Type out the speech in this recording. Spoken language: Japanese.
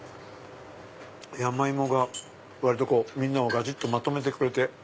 山芋が割とみんなをがちっとまとめてくれて。